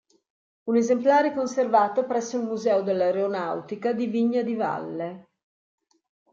Un esemplare è conservato presso il Museo dell'Aeronautica di Vigna di Valle.